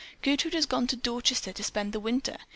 "Gertrude has gone to Dorchester to spend the winter.